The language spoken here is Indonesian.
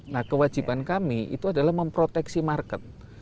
nah kewajiban kami itu adalah memproteksi market